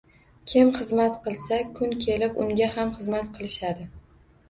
Kim xizmat qilsa, kun kelib unga ham xizmat qilishadi